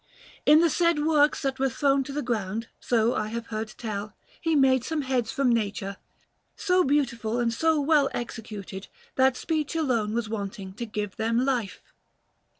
In the said works that were thrown to the ground, so I have heard tell, he had made some heads from nature, so beautiful and so well executed that speech alone was wanting to give them life.